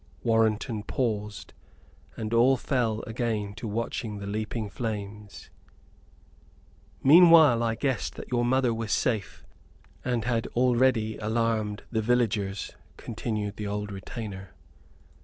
Warrenton paused, and all fell again to watching the leaping flames. "Meanwhile I guessed that your mother was safe, and had already alarmed the villagers," continued the old retainer.